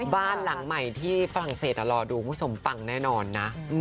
บ้านหลังใหม่ที่ฝรั่งเศสรอดูคุณผู้ชมปังแน่นอนนะ